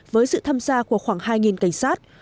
với sự tham gia của khoảng hai cảnh sát